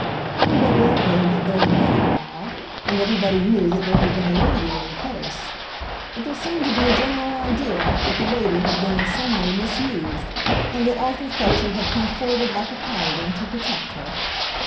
Everybody had heard that there had been a row, and everybody knew that there had been a lady in the case. But there seemed to be a general idea that the lady had been in some way misused, and that Arthur Fletcher had come forward like a Paladin to protect her.